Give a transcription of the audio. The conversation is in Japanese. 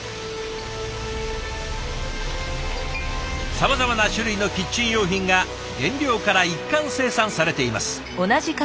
さまざまな種類のキッチン用品が原料から一貫生産されています。